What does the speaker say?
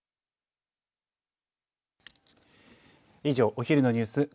以上、お昼のニュース